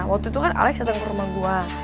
waktu itu kan alec dateng ke rumah gue